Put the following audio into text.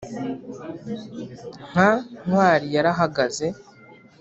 nka ntwari yarahagaze.